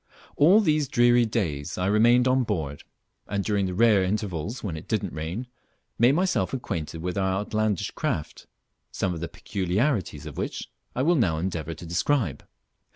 All these dreary days I remained on board, and during the rare intervals when it didn't rain, made myself acquainted with our outlandish craft, some of the peculiarities of which I will now endeavour to describe.